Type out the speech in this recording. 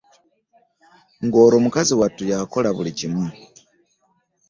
Ng'olwo mukazi wattu y'akola buli kimu.